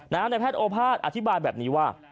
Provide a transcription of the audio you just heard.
นายแพทย์โอภาษย์อธิบายแบบนี้ว่า